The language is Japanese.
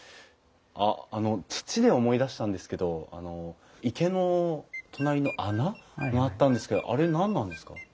あっあの土で思い出したんですけどあの池の隣の穴があったんですけどあれ何なんですか？